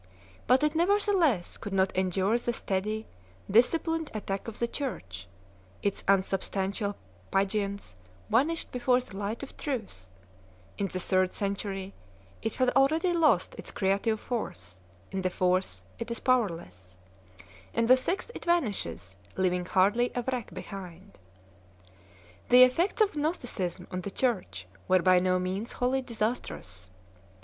But it nevertheless could not endure the steady, disciplined attack of the Church ; its unsubstantial pageants vanished before the light of truth; in the third century it had already lost its creative force, in the fourth it is powerless; in the sixth it vanishes, leaving hardly a wreck behind. The effects of Gnosticism on the Church were by no means wholly disastrous.